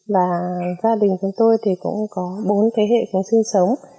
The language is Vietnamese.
và gia đình của tôi cũng có bốn thế hệ sinh sống